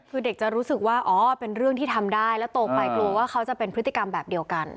คือเด็กจะรู้สึกว่าอ๋อเป็นเรื่องที่ทำได้แล้วโตไปกลัวว่าเขาจะเป็นพฤติกรรมแบบเดียวกัน